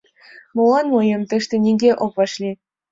Молан мыйым тыште нигӧ ок вашлий?..